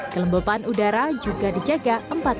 kelembapan udara juga dijaga